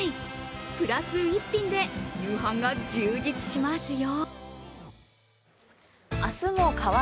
プラス１品で夕飯が充実しますよ。